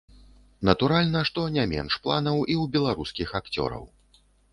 Натуральна, што не менш планаў і ў беларускіх акцёраў.